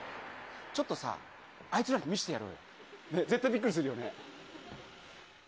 ちょっとさ、あいつらに見してやろう。絶対びっくりするよね。